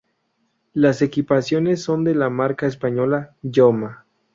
Las equipaciones son de la marca española Joma.